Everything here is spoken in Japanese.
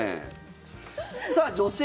さあ、女性。